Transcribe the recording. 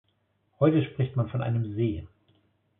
Heute spricht man von einem See.